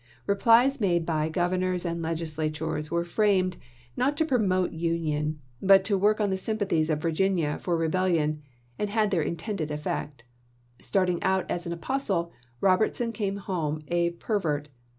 The replies made by Governors and FAILURE OF COMPROMISE 229 Legislatures were framed, not to promote union, chap.xiv. but to work on the sympathies of Virginia for re bellion, and had their intended effect. Starting out as an apostle, Robertson came home a pervert.